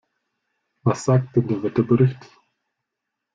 Was sagt denn der Wetterbericht?